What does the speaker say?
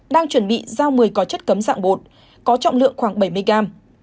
đang chuẩn bị giao một mươi có chất cấm dạng bột có trọng lượng khoảng bảy mươi gram